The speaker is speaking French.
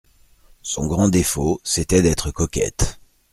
Son grand défaut, c'était d'être coquette.